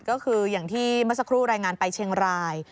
ก็คืออย่างที่เมื่อสักครู่รายงานไปเชียงราย